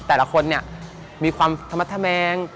แต่ละคนมีความธรรมทะแมง